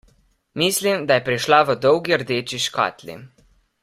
Mislim, da je prišla v dolgi rdeči škatli.